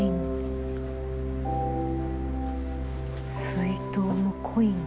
水筒のコイン。